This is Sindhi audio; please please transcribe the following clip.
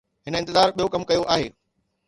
هن انتظار ٻيو ڪم ڪيو آهي.